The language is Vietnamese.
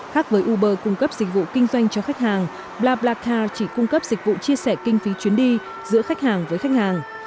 khác với uber cung cấp dịch vụ kinh doanh cho khách hàng blaccare chỉ cung cấp dịch vụ chia sẻ kinh phí chuyến đi giữa khách hàng với khách hàng